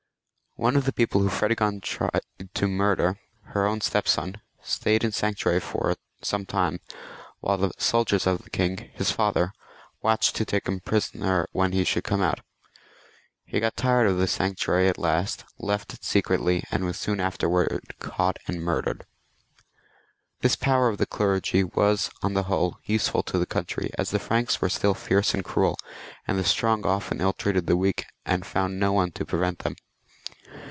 One of the people whom Fredegond tried to murder, her own stepson, stayed in sanctuary for some time, with the soldiers of the king, his father, watching to take him prisoner when he should come but. He got tired of the sanctuary at last, left it secretly, and was soon after caught and murdered. This power of the clergy was on the whole useful to the country, as the Franks were still fierce and cruel, and the strong often ill treated the weak, and found no one to pre vent them.